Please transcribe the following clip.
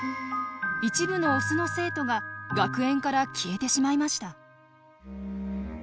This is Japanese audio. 一部のオスの生徒が学園から消えてしまいました。